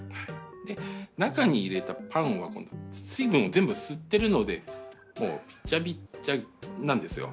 で中に入れたパンは今度水分を全部吸ってるのでもうびちゃびちゃなんですよ。